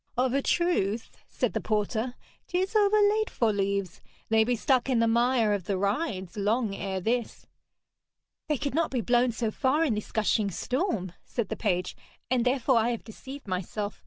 'Of a truth,' said the porter, ''tis overlate for leaves. They be stuck in the mire of the rides long ere this.' 'They could not be blown so far in this gushing storm,' said the page, 'and therefore I have deceived myself.